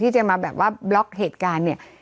จะมาแบบว่าบล็อกเหตุการณ์เนี่ย